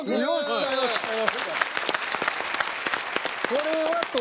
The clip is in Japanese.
これはと。